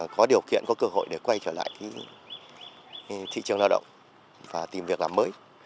có điều kiện có cơ hội để quay trở lại thị trường lao động và tìm việc làm mới